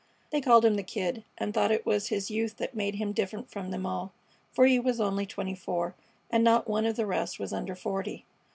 They called him the Kid, and thought it was his youth that made him different from them all, for he was only twenty four, and not one of the rest was under forty.